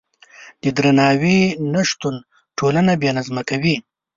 د درناوي نشتون ټولنه بې نظمه کوي.